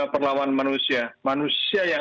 perlawanan manusia manusia yang